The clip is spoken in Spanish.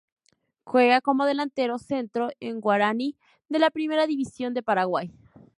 Juega como delantero centro en Guaraní de la Primera División de Paraguay.